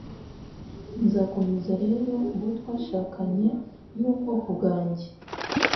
Nzakomeza rero uwo twashakanye n'ubwoko bwanjye